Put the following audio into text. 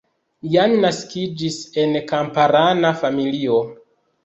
Jan naskiĝis en kamparana familio.